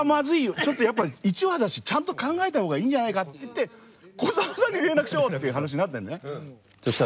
ちょっとやっぱ１話だしちゃんと考えた方がいいんじゃないかっていって古沢さんに連絡しようっていう話になったんだよね。